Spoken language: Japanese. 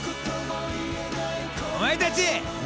お前たち！